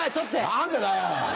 何でだよ！